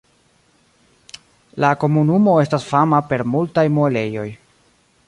La komunumo estas fama per multaj muelejoj.